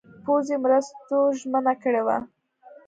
پوځي مرستو ژمنه کړې وه.